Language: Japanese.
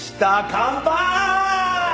乾杯！